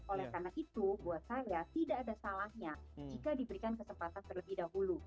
oleh karena itu buat saya tidak ada salahnya jika diberikan kesempatan terlebih dahulu